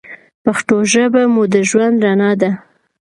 پښتو ژبه مو د ژوند رڼا ده.